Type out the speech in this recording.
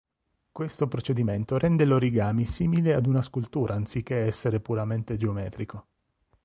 Questo procedimento rende l'origami simile ad una scultura anziché essere puramente geometrico.